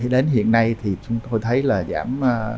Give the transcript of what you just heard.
đến hiện nay chúng tôi thấy giảm